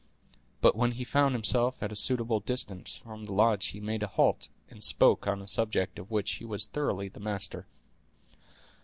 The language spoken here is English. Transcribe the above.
But when he found himself at a suitable distance from the lodges he made a halt, and spoke on a subject of which he was thoroughly the master.